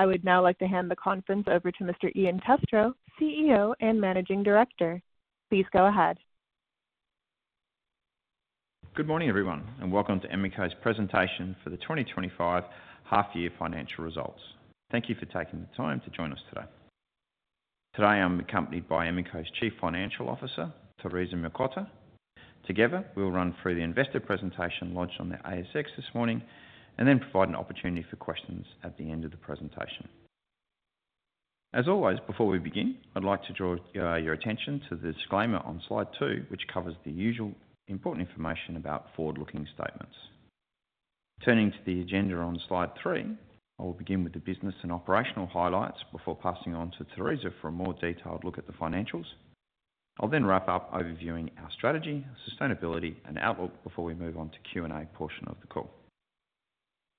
I would now like to hand the conference over to Mr. Ian Testrow, CEO and Managing Director. Please go ahead. Good morning, everyone, and welcome to Emeco's presentation for the 2025 half-year financial results. Thank you for taking the time to join us today. Today I'm accompanied by Emeco's Chief Financial Officer, Theresa Mlikota. Together we'll run through the investor presentation launched on the ASX this morning and then provide an opportunity for questions at the end of the presentation. As always, before we begin, I'd like to draw your attention to the disclaimer on slide two, which covers the usual important information about forward-looking statements. Turning to the agenda on slide three, I will begin with the business and operational highlights before passing on to Theresa for a more detailed look at the financials. I'll then wrap up overviewing our strategy, sustainability, and outlook before we move on to the Q&A portion of the call.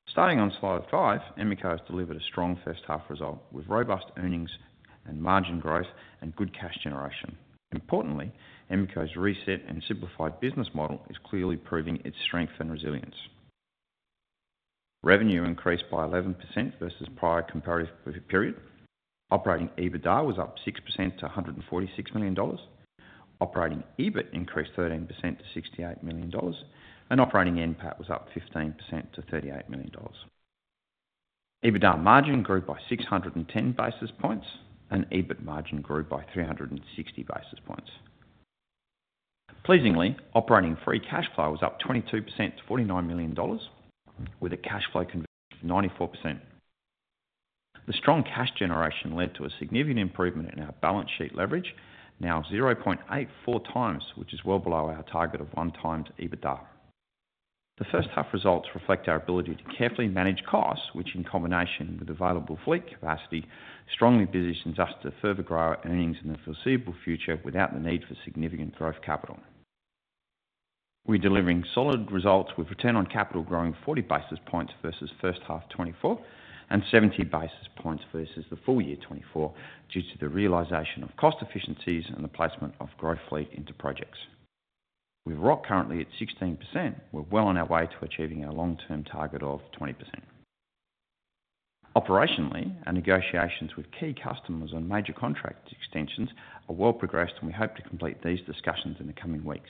Starting on slide five, Emeco has delivered a strong first-half result with robust earnings and margin growth and good cash generation. Importantly, Emeco's reset and simplified business model is clearly proving its strength and resilience. Revenue increased by 11% versus prior comparative period. Operating EBITDA was up 6% to 146 million dollars. Operating EBIT increased 13% to 68 million dollars, and operating NPAT was up 15% to 38 million dollars. EBITDA margin grew by 610 basis points, and EBIT margin grew by 360 basis points. Pleasingly, operating free cash flow was up 22% to 49 million dollars, with a cash flow conversion of 94%. The strong cash generation led to a significant improvement in our balance sheet leverage, now 0.84x, which is well below our target of one times EBITDA. The first-half results reflect our ability to carefully manage costs, which, in combination with available fleet capacity, strongly positions us to further grow our earnings in the foreseeable future without the need for significant growth capital. We're delivering solid results with return on capital growing 40 basis points versus first-half 2024 and 70 basis points versus the full year 2024 due to the realization of cost efficiencies and the placement of growth fleet into projects. With ROC currently at 16%, we're well on our way to achieving our long-term target of 20%. Operationally, our negotiations with key customers on major contract extensions are well progressed, and we hope to complete these discussions in the coming weeks.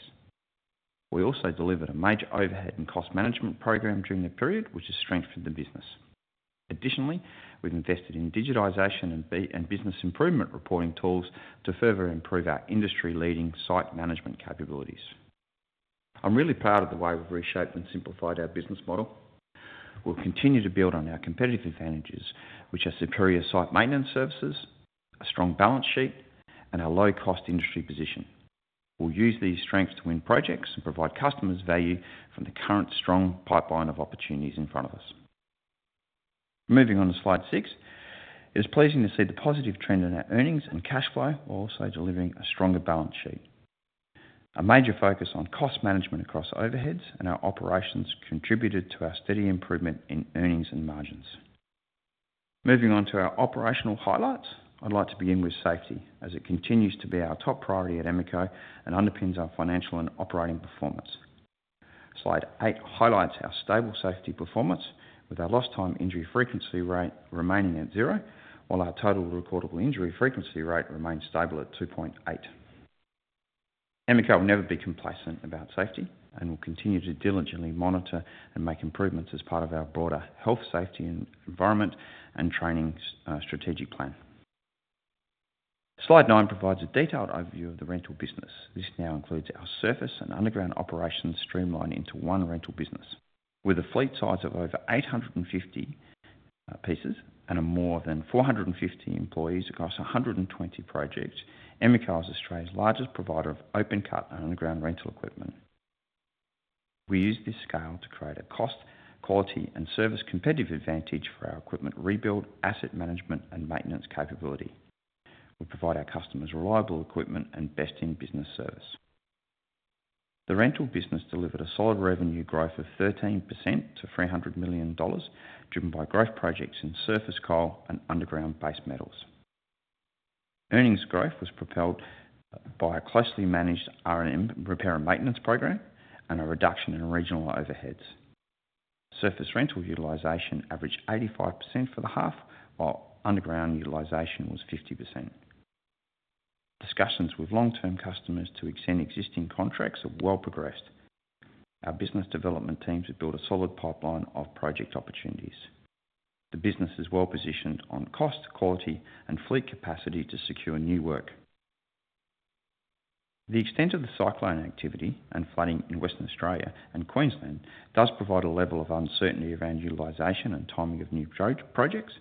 We also delivered a major overhead and cost management program during the period, which has strengthened the business. Additionally, we've invested in digitization and business improvement reporting tools to further improve our industry-leading site management capabilities. I'm really proud of the way we've reshaped and simplified our business model. We'll continue to build on our competitive advantages, which are superior site maintenance services, a strong balance sheet, and our low-cost industry position. We'll use these strengths to win projects and provide customers value from the current strong pipeline of opportunities in front of us. Moving on to slide six, it is pleasing to see the positive trend in our earnings and cash flow, also delivering a stronger balance sheet. A major focus on cost management across overheads and our operations contributed to our steady improvement in earnings and margins. Moving on to our operational highlights, I'd like to begin with safety, as it continues to be our top priority at Emeco and underpins our financial and operating performance. Slide eight highlights our stable safety performance, with our lost-time injury frequency rate remaining at zero, while our total recordable injury frequency rate remains stable at 2.8. Emeco will never be complacent about safety and will continue to diligently monitor and make improvements as part of our broader health, safety, and environment and training strategic plan. Slide nine provides a detailed overview of the rental business. This now includes our surface and underground operations streamlined into one rental business. With a fleet size of over 850 pieces and more than 450 employees across 120 projects, Emeco is Australia's largest provider of open-cut and underground rental equipment. We use this scale to create a cost, quality, and service competitive advantage for our equipment rebuild, asset management, and maintenance capability. We provide our customers reliable equipment and best-in-business service. The rental business delivered a solid revenue growth of 13% to 300 million dollars, driven by growth projects in surface coal and underground base metals. Earnings growth was propelled by a closely managed R&M repair and maintenance program and a reduction in regional overheads. Surface rental utilization averaged 85% for the half, while underground utilization was 50%. Discussions with long-term customers to extend existing contracts are well progressed. Our business development teams have built a solid pipeline of project opportunities. The business is well positioned on cost, quality, and fleet capacity to secure new work. The extent of the cyclone activity and flooding in Western Australia and Queensland does provide a level of uncertainty around utilization and timing of new projects,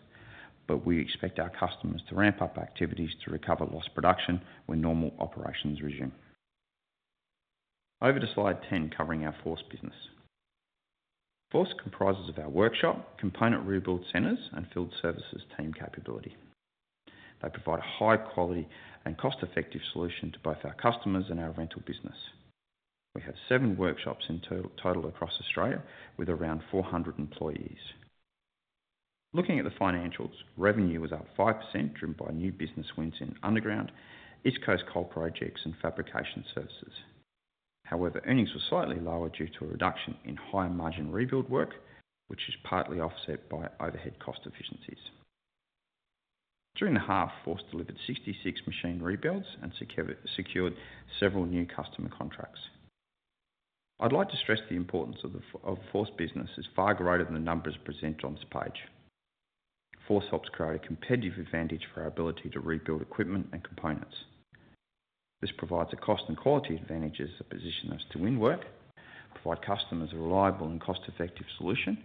but we expect our customers to ramp up activities to recover lost production when normal operations resume. Over to slide ten covering our Force business. Force comprises of our workshop, component rebuild centers, and field services team capability. They provide a high-quality and cost-effective solution to both our customers and our rental business. We have seven workshops in total across Australia with around 400 employees. Looking at the financials, revenue was up 5%, driven by new business wins in underground, East Coast coal projects, and fabrication services. However, earnings were slightly lower due to a reduction in high-margin rebuild work, which is partly offset by overhead cost efficiencies. During the half, Force delivered 66 machine rebuilds and secured several new customer contracts. I'd like to stress the importance of Force business as far greater than the numbers present on this page. Force helps create a competitive advantage for our ability to rebuild equipment and components. This provides a cost and quality advantage as it positions us to win work, provide customers a reliable and cost-effective solution,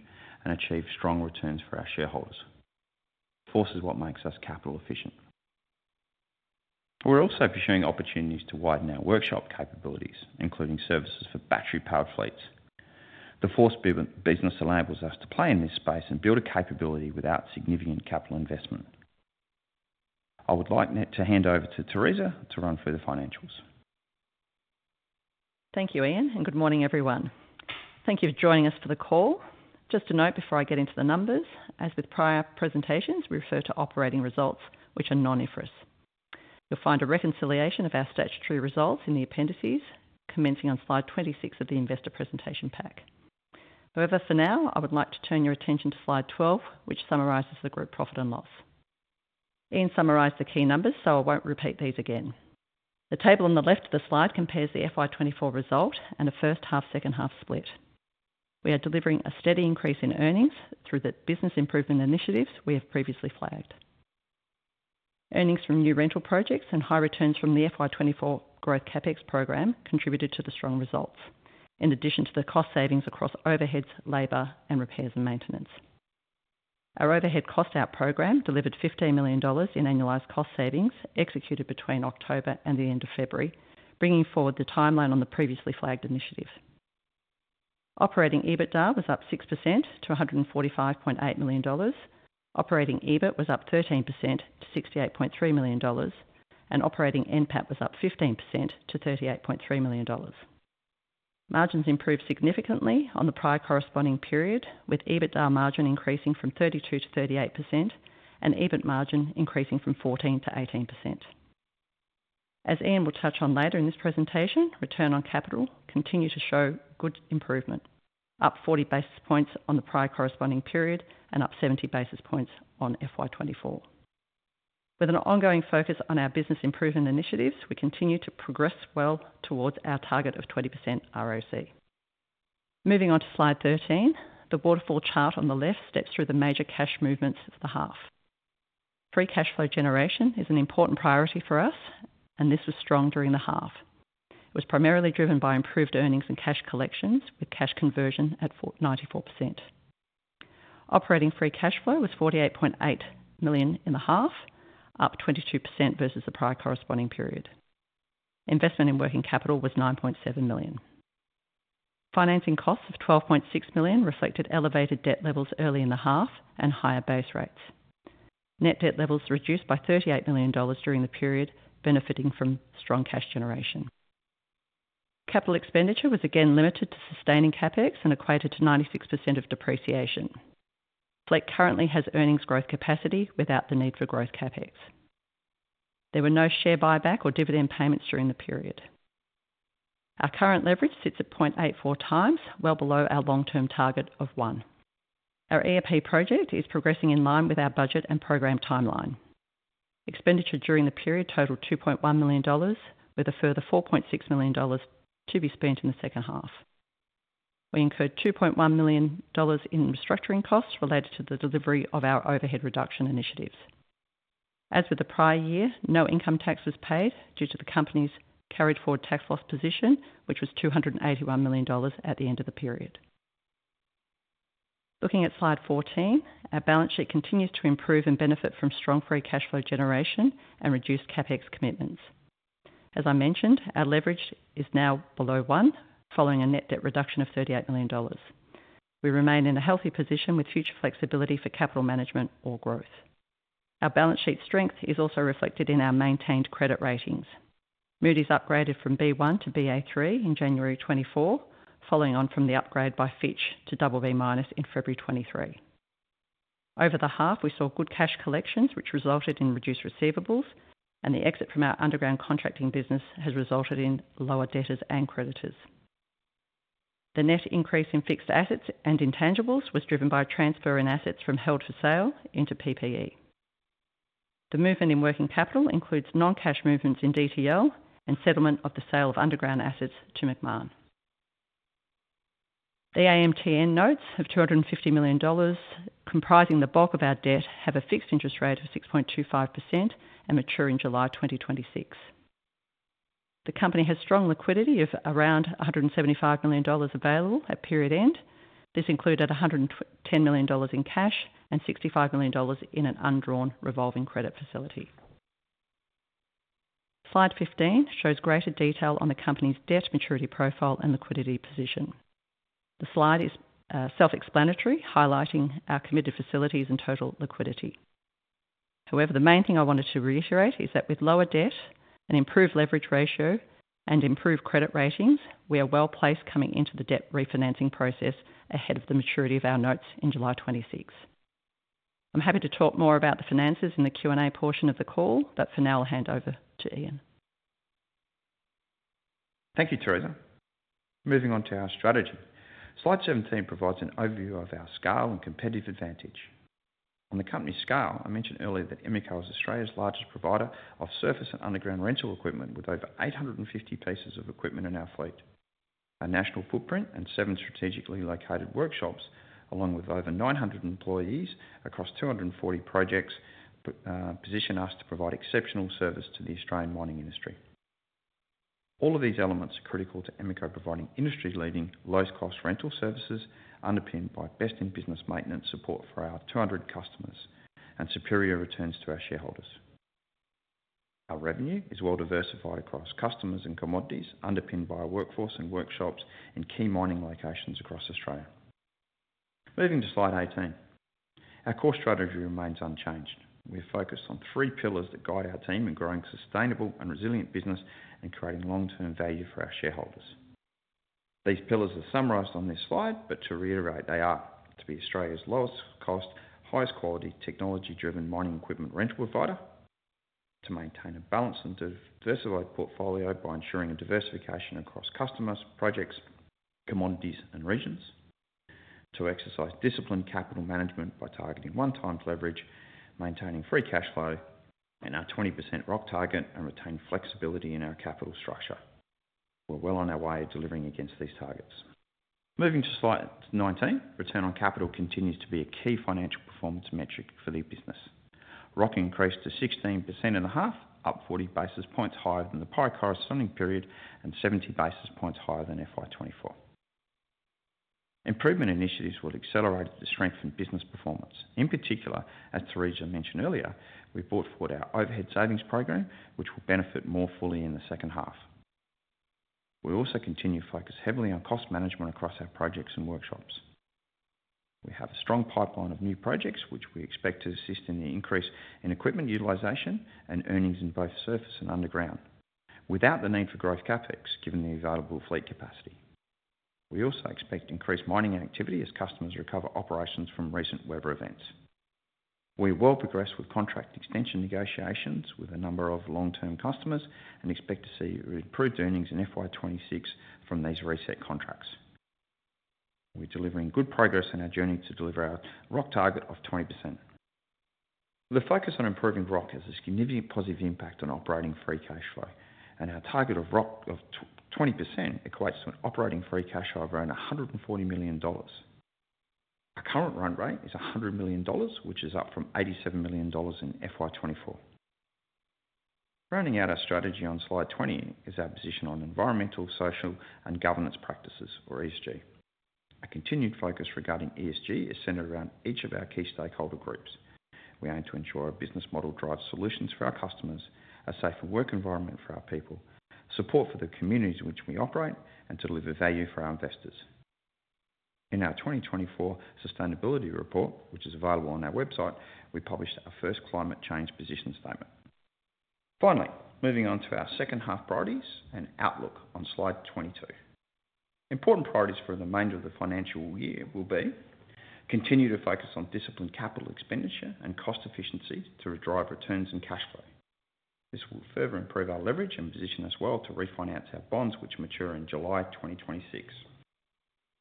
and achieve strong returns for our shareholders. Force is what makes us capital efficient. We're also pursuing opportunities to widen our workshop capabilities, including services for battery-powered fleets. The Force business enables us to play in this space and build a capability without significant capital investment. I would like to hand over to Theresa to run through the financials. Thank you, Ian, and good morning, everyone. Thank you for joining us for the call. Just a note before I get into the numbers, as with prior presentations, we refer to operating results, which are non-IFRS. You'll find a reconciliation of our statutory results in the appendices commencing on slide 26 of the investor presentation pack. However, for now, I would like to turn your attention to slide 12, which summarizes the group profit and loss. Ian summarized the key numbers, so I won't repeat these again. The table on the left of the slide compares the FY24 result and a first-half, second-half split. We are delivering a steady increase in earnings through the business improvement initiatives we have previously flagged. Earnings from new rental projects and high returns from the FY24 growth CapEx program contributed to the strong results, in addition to the cost savings across overheads, labor, and repairs and maintenance. Our overhead cost-out program delivered 15 million dollars in annualized cost savings executed between October and the end of February, bringing forward the timeline on the previously flagged initiative. Operating EBITDA was up 6% to 145.8 million dollars. Operating EBIT was up 13% to 68.3 million dollars, and operating NPAT was up 15% to 38.3 million dollars. Margins improved significantly on the prior corresponding period, with EBITDA margin increasing from 32% to 38% and EBIT margin increasing from 14% to 18%. As Ian will touch on later in this presentation, return on capital continued to show good improvement, up 40 basis points on the prior corresponding period and up 70 basis points on FY24. With an ongoing focus on our business improvement initiatives, we continue to progress well towards our target of 20% ROC. Moving on to slide 13, the waterfall chart on the left steps through the major cash movements of the half. Free cash flow generation is an important priority for us, and this was strong during the half. It was primarily driven by improved earnings and cash collections, with cash conversion at 94%. Operating free cash flow was 48.8 million in the half, up 22% versus the prior corresponding period. Investment in working capital was 9.7 million. Financing costs of 12.6 million reflected elevated debt levels early in the half and higher base rates. Net debt levels reduced by AUD 38 million during the period, benefiting from strong cash generation. Capital expenditure was again limited to sustaining CapEx and equated to 96% of depreciation. Fleet currently has earnings growth capacity without the need for growth CapEx. There were no share buyback or dividend payments during the period. Our current leverage sits at 0.84x, well below our long-term target of one. Our ERP project is progressing in line with our budget and program timeline. Expenditure during the period totaled 2.1 million dollars, with a further 4.6 million dollars to be spent in the second half. We incurred 2.1 million dollars in restructuring costs related to the delivery of our overhead reduction initiatives. As with the prior year, no income tax was paid due to the company's carried forward tax loss position, which was 281 million dollars at the end of the period. Looking at slide 14, our balance sheet continues to improve and benefit from strong free cash flow generation and reduced CapEx commitments. As I mentioned, our leverage is now below one, following a net debt reduction of 38 million dollars. We remain in a healthy position with future flexibility for capital management or growth. Our balance sheet strength is also reflected in our maintained credit ratings. Moody's upgraded from B1 to Ba3 in January 2024, following on from the upgrade by Fitch to BB- in February 2023. Over the half, we saw good cash collections, which resulted in reduced receivables, and the exit from our underground contracting business has resulted in lower debtors and creditors. The net increase in fixed assets and intangibles was driven by transferring assets from held for sale into PPE. The movement in working capital includes non-cash movements in DTL and settlement of the sale of underground assets to Macmahon. The AMTN notes of 250 million dollars comprising the bulk of our debt have a fixed interest rate of 6.25% and mature in July 2026. The company has strong liquidity of around 175 million dollars available at period end. This included 110 million dollars in cash and 65 million dollars in an undrawn revolving credit facility. Slide 15 shows greater detail on the company's debt maturity profile and liquidity position. The slide is self-explanatory, highlighting our committed facilities and total liquidity. However, the main thing I wanted to reiterate is that with lower debt, an improved leverage ratio, and improved credit ratings, we are well placed coming into the debt refinancing process ahead of the maturity of our notes in July 2026. I'm happy to talk more about the finances in the Q&A portion of the call, but for now, I'll hand over to Ian. Thank you, Theresa. Moving on to our strategy. Slide 17 provides an overview of our scale and competitive advantage. On the company scale, I mentioned earlier that Emeco is Australia's largest provider of surface and underground rental equipment, with over 850 pieces of equipment in our fleet. Our national footprint and seven strategically located workshops, along with over 900 employees across 240 projects, position us to provide exceptional service to the Australian mining industry. All of these elements are critical to Emeco providing industry-leading low-cost rental services, underpinned by best-in-business maintenance support for our 200 customers and superior returns to our shareholders. Our revenue is well diversified across customers and commodities, underpinned by our workforce and workshops in key mining locations across Australia. Moving to slide 18, our core strategy remains unchanged. We are focused on three pillars that guide our team in growing a sustainable and resilient business and creating long-term value for our shareholders. These pillars are summarized on this slide, but to reiterate, they are to be Australia's lowest-cost, highest-quality, technology-driven mining equipment rental provider, to maintain a balanced and diversified portfolio by ensuring a diversification across customers, projects, commodities, and regions, to exercise disciplined capital management by targeting one times leverage, maintaining free cash flow, and our 20% ROC target, and retain flexibility in our capital structure. We're well on our way of delivering against these targets. Moving to slide 19, return on capital continues to be a key financial performance metric for the business. ROC increased to 16.5%, up 40 basis points higher than the prior corresponding period and 70 basis points higher than FY24. Improvement initiatives will accelerate the strength in business performance. In particular, as Theresa mentioned earlier, we brought forward our overhead savings program, which will benefit more fully in the second half. We also continue to focus heavily on cost management across our projects and workshops. We have a strong pipeline of new projects, which we expect to assist in the increase in equipment utilization and earnings in both surface and underground, without the need for growth CapEx, given the available fleet capacity. We also expect increased mining activity as customers recover operations from recent weather events. We will progress with contract extension negotiations with a number of long-term customers and expect to see improved earnings in FY26 from these reset contracts. We're delivering good progress in our journey to deliver our ROC target of 20%. The focus on improving ROC has a significant positive impact on operating free cash flow, and our target of ROC of 20% equates to an operating free cash flow of around 140 million dollars. Our current run rate is 100 million dollars, which is up from 87 million dollars in FY24. Rounding out our strategy on slide 20 is our position on environmental, social, and governance practices, or ESG. Our continued focus regarding ESG is centered around each of our key stakeholder groups. We aim to ensure our business model drives solutions for our customers, a safer work environment for our people, support for the communities in which we operate, and deliver value for our investors. In our 2024 sustainability report, which is available on our website, we published our first climate change position statement. Finally, moving on to our second half priorities and outlook on slide 22. Important priorities for the remainder of the financial year will be to continue to focus on disciplined capital expenditure and cost efficiency to drive returns and cash flow. This will further improve our leverage and position us well to refinance our bonds, which mature in July 2026.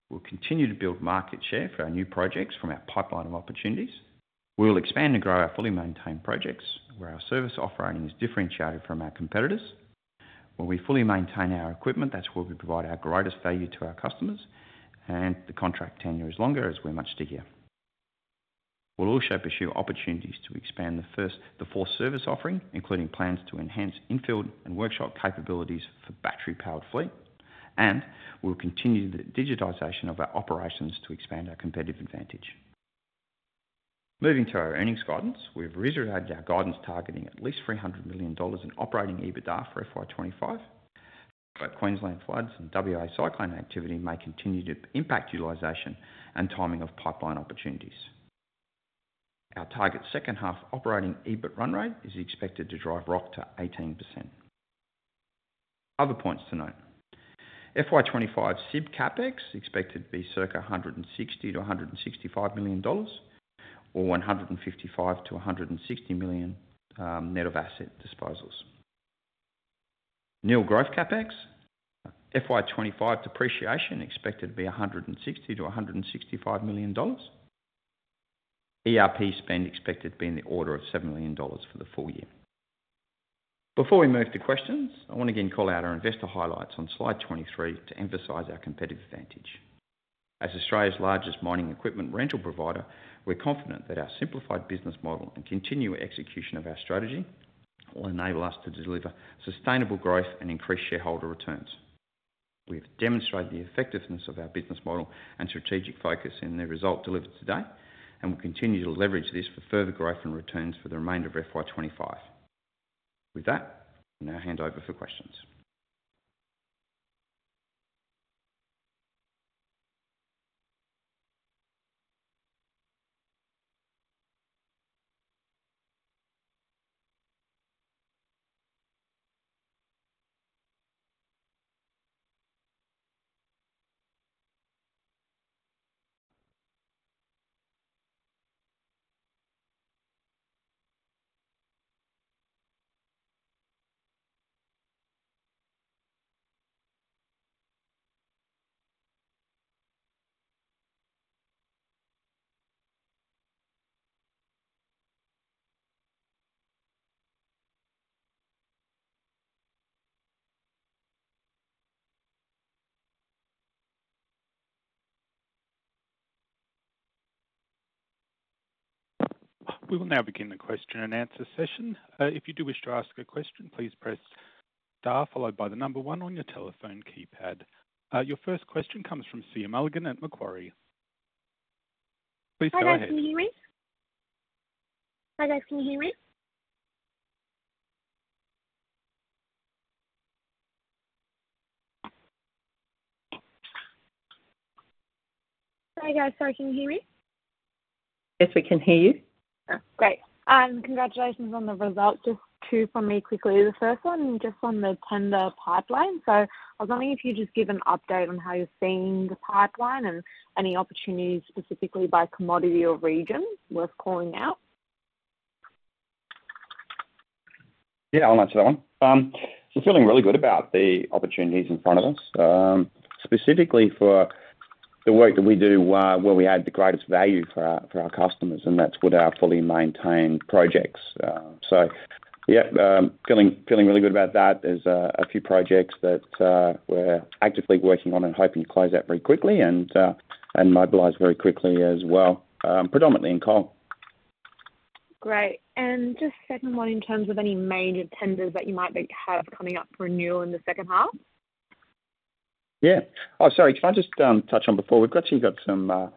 We'll continue to build market share for our new projects from our pipeline of opportunities. We'll expand and grow our fully maintained projects where our service offering is differentiated from our competitors. When we fully maintain our equipment, that's where we provide our greatest value to our customers, and the contract tenure is longer as we're much stickier. We'll also pursue opportunities to expand the Force service offering, including plans to enhance in-field and workshop capabilities for battery-powered fleet, and we'll continue the digitization of our operations to expand our competitive advantage. Moving to our earnings guidance, we've reiterated our guidance targeting at least 300 million dollars in operating EBITDA for FY25. But Queensland floods and WA cyclone activity may continue to impact utilization and timing of pipeline opportunities. Our target second half operating EBIT run rate is expected to drive ROC to 18%. Other points to note: FY25 SIB CapEx is expected to be circa 160 million-165 million dollars or 155 million-160 million net of asset disposals. New growth CapEx: FY25 depreciation is expected to be 160 million-165 million dollars. ERP spend is expected to be in the order of 7 million dollars for the full year. Before we move to questions, I want to again call out our investor highlights on slide 23 to emphasize our competitive advantage. As Australia's largest mining equipment rental provider, we're confident that our simplified business model and continued execution of our strategy will enable us to deliver sustainable growth and increased shareholder returns. We have demonstrated the effectiveness of our business model and strategic focus in the result delivered today, and we'll continue to leverage this for further growth and returns for the remainder of FY25. With that, I'll now hand over for questions. We will now begin the question and answer session. If you do wish to ask a question, please press star followed by the number one on your telephone keypad. Your first question comes from Sophia Mulligan at Macquarie. Please go ahead. Hi, guys. Can you hear me? Sorry, can you hear me? Yes, we can hear you. Great. Congratulations on the result. Just two from me quickly. The first one just on the tender pipeline. So I was wondering if you'd just give an update on how you're seeing the pipeline and any opportunities specifically by commodity or region worth calling out? Yeah, I'll answer that one. We're feeling really good about the opportunities in front of us, specifically for the work that we do where we add the greatest value for our customers, and that's with our fully maintained projects. So yeah, feeling really good about that. There's a few projects that we're actively working on and hoping to close out very quickly and mobilize very quickly as well, predominantly in coal. Great. And just second one in terms of any major tenders that you might have coming up for renewal in the second half? Yeah. Oh, sorry, can I just touch on before? We've actually got some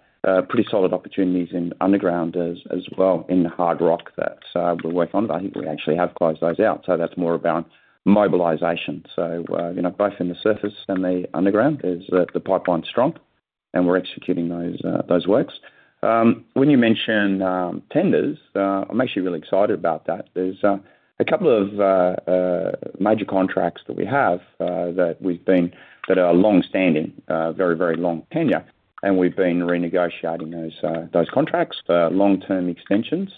pretty solid opportunities in underground as well in the hard rock that we're working on. I think we actually have closed those out. So that's more around mobilization. So both in the surface and the underground, the pipeline is strong, and we're executing those works. When you mention tenders, I'm actually really excited about that. There's a couple of major contracts that we have that are long-standing, very, very long tenure, and we've been renegotiating those contracts for long-term extensions.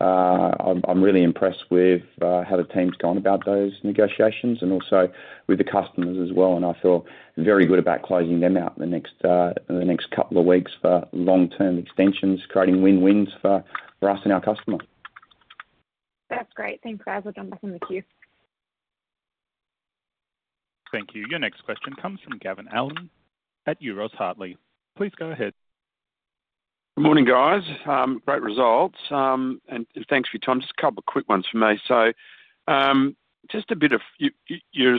I'm really impressed with how the team's gone about those negotiations and also with the customers as well. I feel very good about closing them out in the next couple of weeks for long-term extensions, creating win-wins for us and our customers. That's great. Thanks, guys. We'll jump back in the queue. Thank you. Your next question comes from Gavin Allen at Euroz Hartleys. Please go ahead. Good morning, guys. Great results. And thanks for your time. Just a couple of quick ones for me. So just a bit of your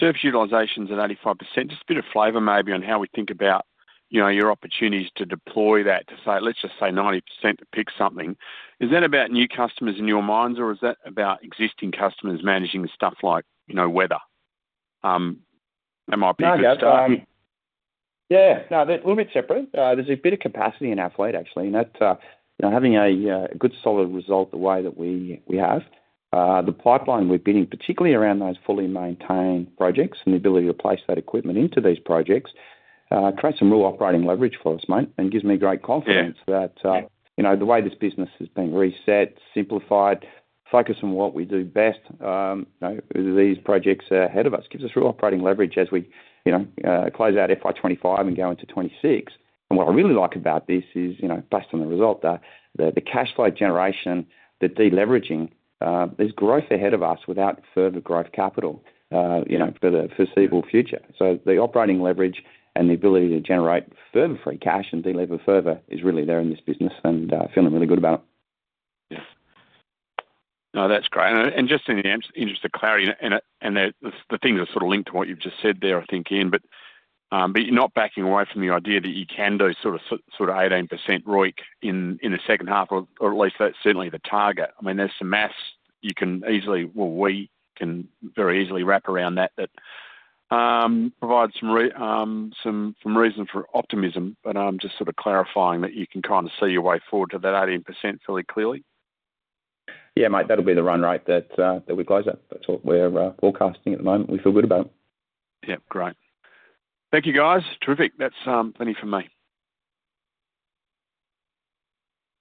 surface utilization is at 85%. Just a bit of flavor maybe on how we think about your opportunities to deploy that, to say, let's just say 90% to pick something. Is that about new customers in your minds, or is that about existing customers managing stuff like weather? That might be a good start. Yeah. No, a little bit separate. There's a bit of capacity in our fleet, actually. Having a good solid result the way that we have, the pipeline we're bidding, particularly around those fully maintained projects and the ability to place that equipment into these projects, creates some real operating leverage for us, mate, and gives me great confidence that the way this business has been reset, simplified, focus on what we do best, these projects are ahead of us, gives us real operating leverage as we close out FY25 and go into 2026. What I really like about this is, based on the result, the cash flow generation, the deleveraging, there's growth ahead of us without further growth capital for the foreseeable future. So the operating leverage and the ability to generate further free cash and deliver further is really there in this business, and I'm feeling really good about it. Yeah. No, that's great. And just in the interest of clarity, and the things are sort of linked to what you've just said there, I think, Ian, but you're not backing away from the idea that you can do sort of 18% ROIC in the second half, or at least that's certainly the target. I mean, there's some math you can easily, well, we can very easily wrap around that, that provides some reason for optimism, but I'm just sort of clarifying that you can kind of see your way forward to that 18% fairly clearly. Yeah, mate, that'll be the run rate that we close at. That's what we're forecasting at the moment. We feel good about it. Yep. Great. Thank you, guys. Terrific. That's plenty for me.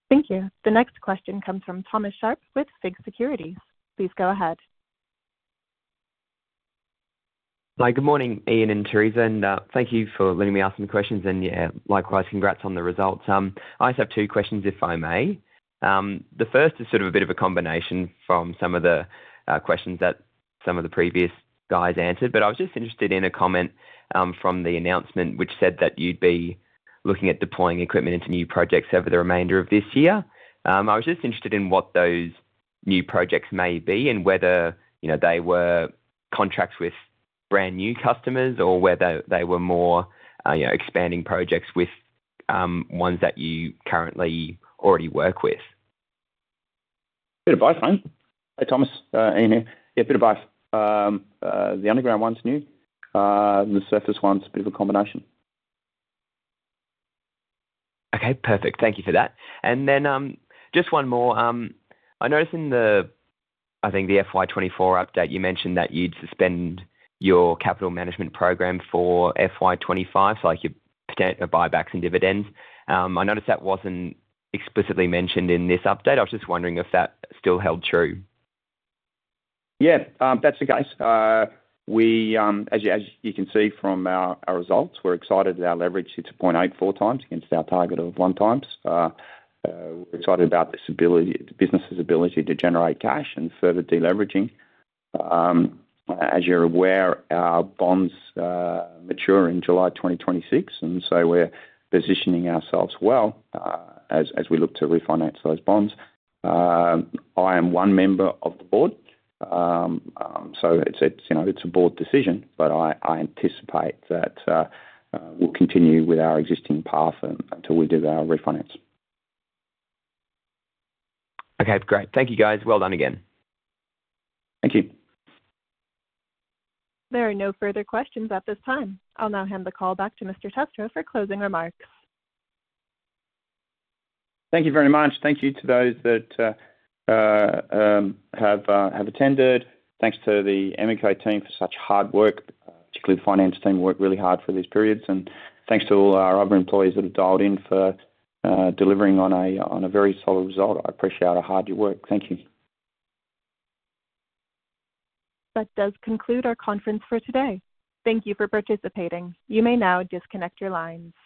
Thank you. The next question comes from Thomas Sharp with FIIG Securities. Please go ahead. Hi, good morning, Ian and Theresa. And thank you for letting me ask some questions. And yeah, likewise, congrats on the results. I just have two questions, if I may. The first is sort of a bit of a combination from some of the questions that some of the previous guys answered, but I was just interested in a comment from the announcement which said that you'd be looking at deploying equipment into new projects over the remainder of this year. I was just interested in what those new projects may be and whether they were contracts with brand new customers or whether they were more expanding projects with ones that you currently already work with. Bit of both, mate. Hey, Thomas, Ian here. Yeah, a bit of both. The underground one's new. The surface one's a bit of a combination. Okay, perfect. Thank you for that. And then just one more. I noticed in the, I think, the FY24 update, you mentioned that you'd suspend your capital management program for FY25, so your buybacks and dividends. I noticed that wasn't explicitly mentioned in this update. I was just wondering if that still held true? Yeah, that's the case. As you can see from our results, we're excited at our leverage to 0.84x against our target of one times. We're excited about the business's ability to generate cash and further deleveraging. As you're aware, our bonds mature in July 2026, and so we're positioning ourselves well as we look to refinance those bonds. I am one member of the board, so it's a board decision, but I anticipate that we'll continue with our existing path until we do our refinance. Okay, great. Thank you, guys. Well done again. Thank you. There are no further questions at this time. I'll now hand the call back to Mr. Testrow for closing remarks. Thank you very much. Thank you to those that have attended. Thanks to the Emeco team for such hard work. Particularly, the finance team worked really hard for these periods, and thanks to all our other employees that have dialed in for delivering on a very solid result. I appreciate it. Hard work. Thank you. That does conclude our conference for today. Thank you for participating. You may now disconnect your lines.